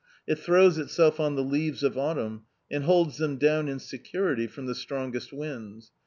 It throws itself on the leaves of Autumn, and holds them down in se curity from the strongest winds.